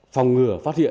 phòng ngừa phát hiện